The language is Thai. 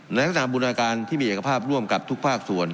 ในขณะบุญการที่มีเอกภาพร่วมกับทุกภาคส่วน